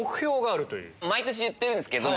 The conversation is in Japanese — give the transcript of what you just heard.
毎年言ってるんすけど。